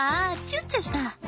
チュッチュした。